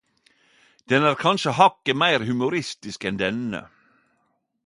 Den er kanskje hakket meir humoristisk enn denne.